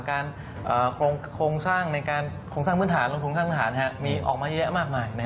โครงสร้างในการโครงสร้างพื้นฐานลงทุนสร้างฐานมีออกมาเยอะแยะมากมาย